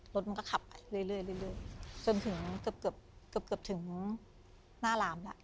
รถมันก็ขับไปเรื่อยจนถึงเกือบเกือบถึงหน้าร้านแล้ว